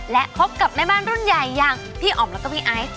และพบกับแม่บ้านรุ่นใหญ่อย่างพี่อ๋อมแล้วก็พี่ไอซ์